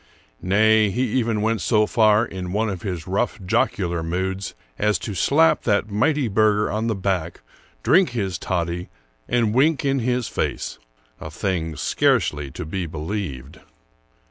Nay, he even went so far, in one of his rough, jocular moods, as to slap that mighty burgher on the back, drink his toddy, and wink in his face, — a thing scarcely to be believed.